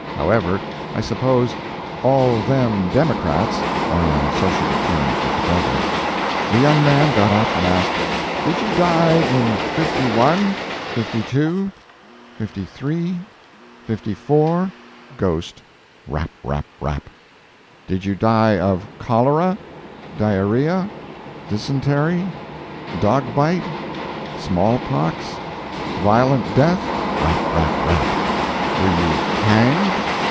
However, I suppose "all them Democrats" are on sociable terms with the devil. The young man got up and asked: "Did you die in '51?—'52?—'53?—'54?—" Ghost—"Rap, rap, rap." "Did you die of cholera?—diarrhea?—dysentery?—dog bite?—small pox?—violent death?—" "Rap, rap, rap." "Were you hanged?